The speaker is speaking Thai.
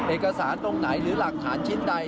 เอกสารตรงไหนหรือหลักฐานชิ้นใด